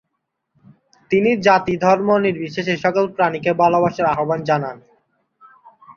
তিনি জাতি-ধর্ম নির্বিশেষে সকল প্রাণীকে ভালোবাসার আহ্বান জানান।